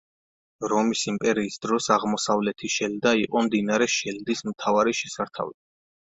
რომის იმპერიის დროს აღმოსავლეთი შელდა იყო მდინარე შელდის მთავარი შესართავი.